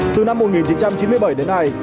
từ năm một nghìn chín trăm chín mươi bảy đến nay